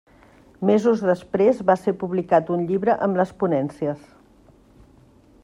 Mesos després va ser publicat un llibre amb les ponències.